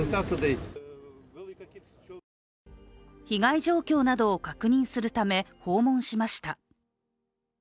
被害状況などを確認するため訪問しました。